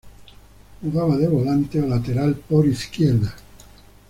Jugaba de volante o lateral por izquierda.